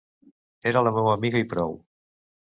Era la meua amiga i prou.